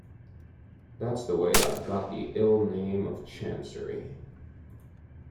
That's the way I've got the ill name of Chancery.